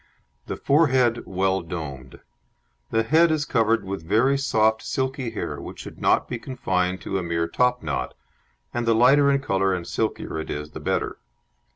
The forehead well domed. The head is covered with very soft silky hair, which should not be confined to a mere topknot, and the lighter in colour and silkier it is the better.